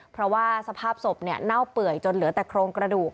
เพราะว่าสภาพศพเน่าเปื่อยจนเหลือแต่โครงกระดูก